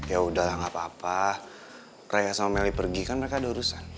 ya udahlah nggak apa apa raya sama melly pergi kan mereka ada urusan